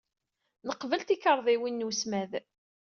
Nqebbel tikarḍiwin n wesmad.